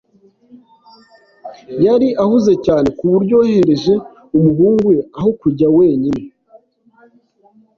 Yari ahuze cyane ku buryo yohereje umuhungu we aho kujya wenyine.